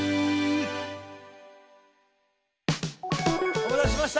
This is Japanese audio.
お待たせしました。